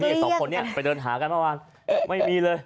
สองคนนี้ไปเดินหากันเมื่อวานไม่มีเลย